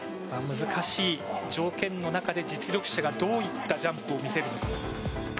難しい条件の中で実力者がどういったジャンプを見せるのか。